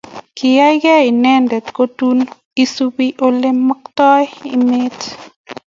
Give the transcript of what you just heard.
Kiyaygei inendet kotuni isubi olemagtai emet